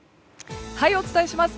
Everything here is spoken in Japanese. お伝えします。